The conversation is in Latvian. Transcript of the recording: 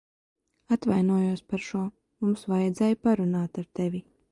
Atvainojos par šo. Mums vajadzēja parunāt ar tevi.